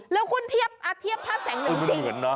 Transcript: แล้วคุณเทียบภาพแสงเหนืองจริง